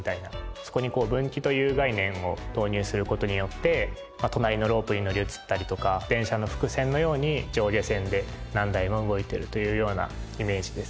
そこに分岐という概念を導入する事によって隣のロープに乗り移ったりとか電車の複線のように上下線で何台も動いてるというようなイメージです。